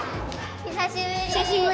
久しぶり！